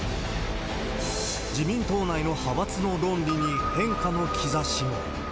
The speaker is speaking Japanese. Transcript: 自民党内の派閥の論理に変化の兆しも。